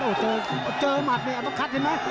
โอ้โหเจอหมาสะมาร์